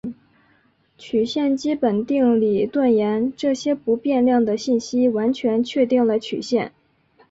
曲线基本定理断言这些不变量的信息完全确定了曲线。